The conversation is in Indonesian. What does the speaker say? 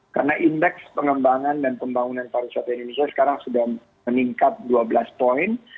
karena indeks pengembangan dan pembangunan pariwisata indonesia sekarang sudah meningkat dua belas poin